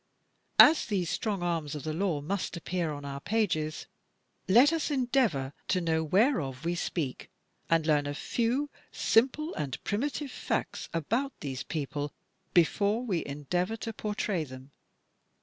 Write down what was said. As these strong arms of the law must appear on our pages, let us endeavor to know whereof we speak, and learn a few simple and primitive facts about these people before we endeavor to portray them.